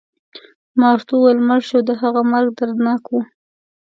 ما ورته وویل: مړ شو، د هغه مرګ دردناک و.